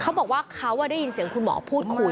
เขาบอกว่าเขาได้ยินเสียงคุณหมอพูดคุย